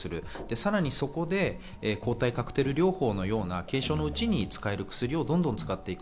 さらにそこで抗体カクテル療法のような軽症のうちに使える薬をどんどん使っていく。